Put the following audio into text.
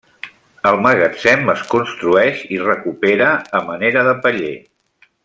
El magatzem es construeix i recupera a manera de paller.